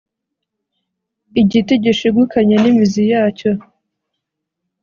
Igiti gishigukanye n'imizi yacyo.